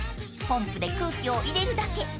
［ポンプで空気を入れるだけ］